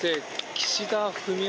岸田文雄